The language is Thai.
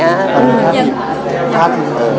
ถ้าถึงเธอ